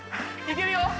いけるよ